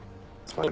はい。